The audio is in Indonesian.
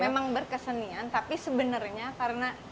memang berkesenian tapi sebenarnya karena